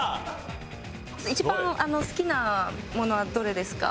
一番好きなものはどれですか？